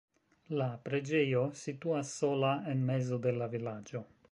La preĝejo situas sola en mezo de la vilaĝo.